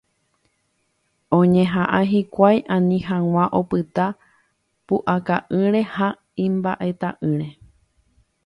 Oñeha'ã hikuái ani hag̃ua opyta pu'aka'ỹre ha imba'eta'ỹre.